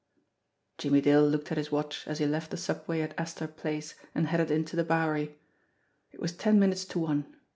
Jimmie Dale looked at his watch, as he left the subway at Astor Place and headed into the Bowery. It was ten minutes to one.